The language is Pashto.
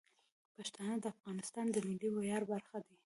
پښتانه د افغانستان د ملي ویاړ برخه دي.